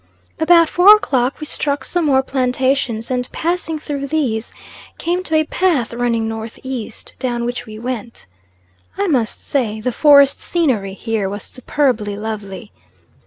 About four o'clock we struck some more plantations, and passing through these, came to a path running north east, down which we went. I must say the forest scenery here was superbly lovely.